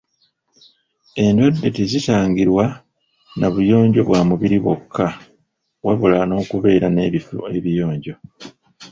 Endwadde tezitangirwa na buyonjo bwa mubiri bwokka wabula n'okubeera n'ebifo ebiyonjo.